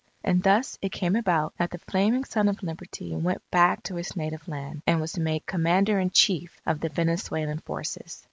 And thus it came about that the Flaming Son of Liberty went back to his native land, and was made Commander in Chief of the Venezuelan forces.